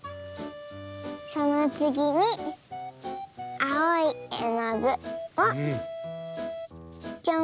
そのつぎにあおいえのぐをちょん。